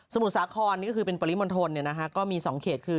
สมุดสาขอนี่ก็คือเป็นปริมณฑลนะฮะก็มี๒เขตคือ